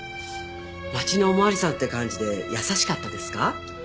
町のおまわりさんって感じで優しかったですか？